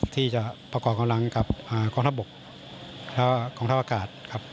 ที่จะประกอบกำลังกับกองทัพบกและกองทัพอากาศครับ